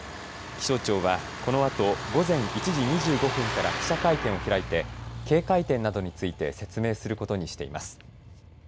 気象庁はこのあと午前１時２５分から記者会見を開いて警戒点などについて説明することにしています。